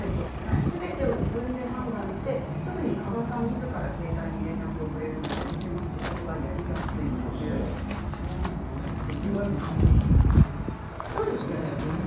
すべてを自分で判断してすぐに加賀さんみずから携帯に電話をくれるのでとても仕事がやりやすいという証言をいわゆるフリーということそうです。